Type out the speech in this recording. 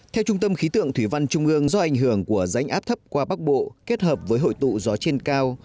theo trung tâm khí tượng thủy văn trung ương do ảnh hưởng của rãnh áp thấp qua bắc bộ kết hợp với hội tụ gió trên cao